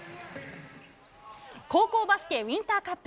高校バスケウインターカップ。